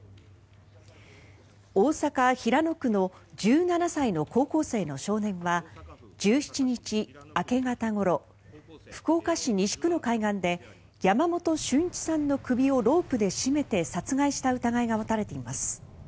大阪・平野区の１７歳の少年は１７日明け方ごろ福岡市西区の海岸で山本駿一さんの首をロープで絞めて殺害した疑いが持たれています。